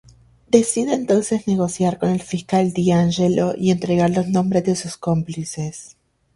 Decide entonces negociar con el fiscal D'Angelo y entregar los nombres de sus cómplices.